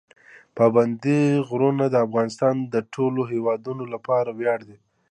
پابندي غرونه د افغانستان د ټولو هیوادوالو لپاره ویاړ دی.